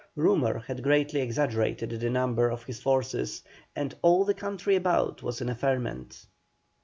Rumour had greatly exaggerated the number of his forces, and all the country about was in a ferment.